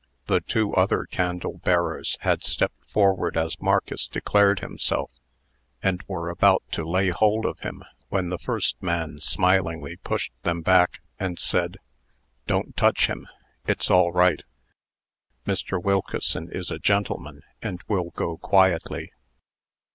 The two other candle bearers had stepped forward as Marcus declared himself, and were about to lay hold of him, when the first man smilingly pushed them back, and said: "Don't touch him. It's all right. Mr. Wilkeson is a gentleman, and will go quietly."